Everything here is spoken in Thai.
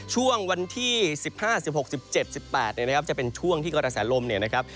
ช่วงวันที่๑๕๑๖๑๗๑๘เนี่ยนะครับจะเป็นช่วงที่กระแสลมเนี่ยนะครับ